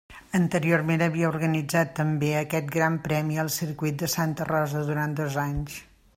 Anteriorment havia organitzat també aquest Gran Premi al circuit de Santa Rosa durant dos anys.